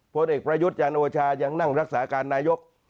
พระเด็กประยุทธ์อย่างโนชายังนั่งรักษาการนายก